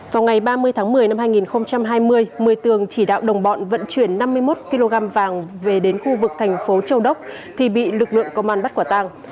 vào ngày ba mươi tháng một mươi năm hai nghìn hai mươi một mươi tường chỉ đạo đồng bọn vận chuyển năm mươi một kg vàng về đến khu vực thành phố châu đốc thì bị lực lượng công an bắt quả tàng